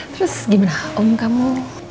terus gimana om kamu